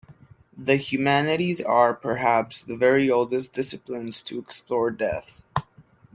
The humanities are, perhaps, the very oldest disciplines to explore death.